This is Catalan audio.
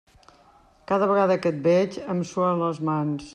Cada vegada que et veig em suen les mans.